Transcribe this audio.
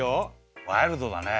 ワイルドだね。